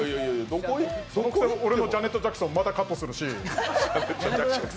俺のジャネット・ジャクソンまたカットするし。